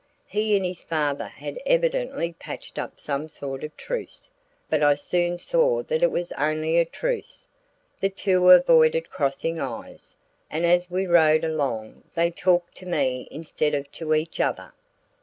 He and his father had evidently patched up some sort of a truce, but I soon saw that it was only a truce. The two avoided crossing eyes, and as we rode along they talked to me instead of to each other.